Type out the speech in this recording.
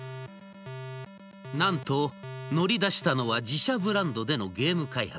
なんと乗り出したのは自社ブランドでのゲーム開発。